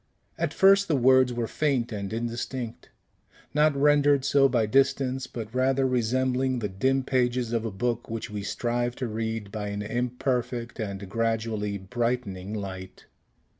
At first the words were faint and indistinct, not rendered so by distance, but rather resembling the dim pages of a book which we strive to read by an imperfect and gradually brightening light.